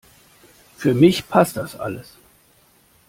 Für mich passt das alles.